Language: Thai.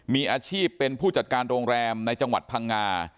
มีอาชีพเป็นผู้จัดการโรงแรมในจังหวัดพังงา